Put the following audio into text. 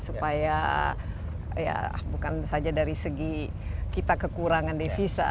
supaya ya bukan saja dari segi kita kekurangan devisa